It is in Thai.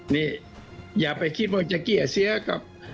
นี่อย่าไปคิดว่าจะเกลี่ยเสียกับ